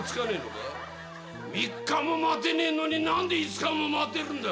３日も待てねえのに何で５日も待てるんだよ